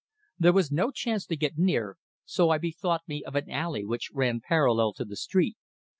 There was no chance to get near, so I bethought me of an alley which ran parallel to the street.